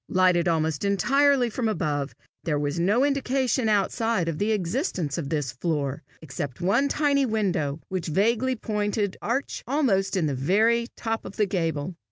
Lighted almost entirely from above, there was no indication outside of the existence of this floor, except one tiny window, with vaguely pointed arch, almost in the very top of the gable.